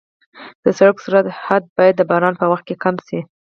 د سړک سرعت حد باید د باران په وخت کم شي.